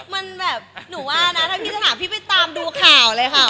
มันแบบหนูว่านะถ้าพี่จะถามพี่ไปตามดูข่าวเลยค่ะ